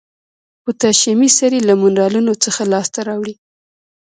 پوتاشیمي سرې له منرالونو څخه لاس ته راوړي.